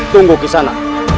tunggu ke sana